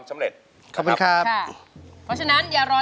สวัสดีครับ